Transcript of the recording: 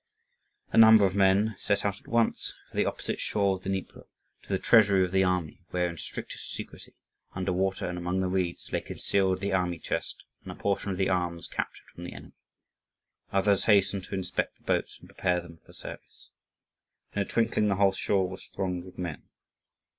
A number of men set out at once for the opposite shore of the Dnieper, to the treasury of the army, where in strictest secrecy, under water and among the reeds, lay concealed the army chest and a portion of the arms captured from the enemy. Others hastened to inspect the boats and prepare them for service. In a twinkling the whole shore was thronged with men.